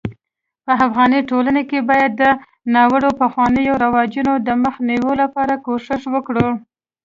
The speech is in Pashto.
په افغاني ټولنه کي بايد د ناړوه پخوانيو رواجونو دمخ نيوي لپاره کوښښ وکړو